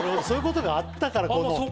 そういうことがあったからこの。